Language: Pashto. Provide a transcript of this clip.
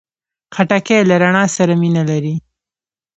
خټکی له رڼا سره مینه لري.